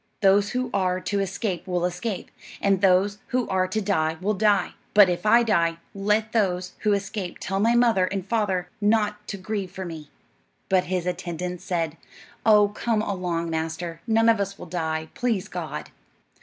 Those who are to escape will escape, and those who are to die will die; but if I die, let those who escape tell my mother and father not to grieve for me." But his attendants said, "Oh, come along, master; none of us will die, please God."